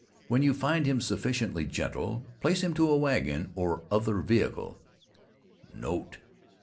When you find him sufficiently gentle, place him to a wagon or other vehicle. NOTE.